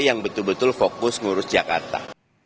yang betul betul fokus ngurus jakarta